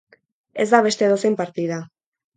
Ez da beste edozein partida.